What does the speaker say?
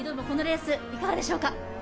このレースいかがでしょうか？